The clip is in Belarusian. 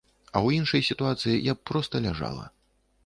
А ў іншай сітуацыі я б проста ляжала.